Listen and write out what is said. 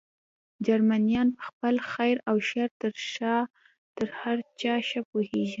جرمنیان په خپل خیر او شر تر هر چا ښه پوهېږي.